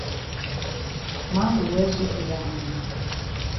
Man go well so for yi hand?